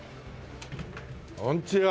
こんにちは。